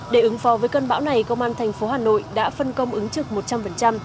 để ứng phó với cơn bão này công an thành phố hà nội đã phân công ứng trực một trăm linh